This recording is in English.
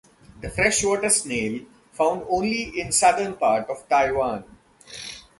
This freshwater snail found only in Southern part of Taiwan.